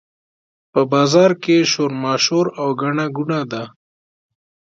په بازار کې شورماشور او ګڼه ګوڼه ده.